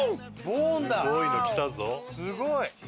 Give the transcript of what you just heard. すごい。